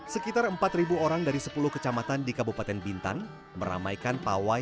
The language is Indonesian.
sekitar empat ribu orang dari sepuluh kecamatan di kabupaten bintan meramaikan pak wai